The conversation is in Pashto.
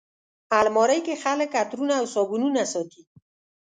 الماري کې خلک عطرونه او صابونونه ساتي